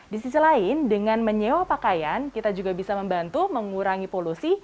di sisi lain dengan menyewa pakaian kita juga bisa membantu mengurangi polusi